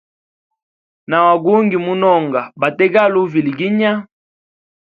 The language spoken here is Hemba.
Na wagungi munonga, bategali uviliginya.